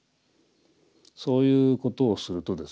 そういうことをするとですね